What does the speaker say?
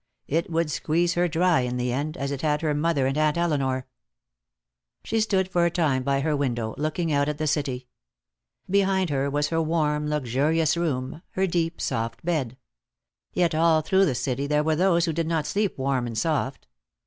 It would squeeze her dry, in the end, as it had her mother and Aunt Elinor. She stood for a time by her window, looking out at the city. Behind her was her warm, luxurious room, her deep, soft bed. Yet all through the city there were those who did not sleep warm and soft.